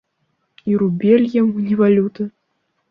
І рубель яму не валюта.